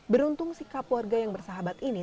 beruntung sikap warga yang bersahabat ini